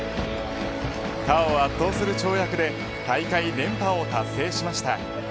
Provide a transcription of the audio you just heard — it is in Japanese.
他を圧倒する跳躍で大会連覇を達成しました。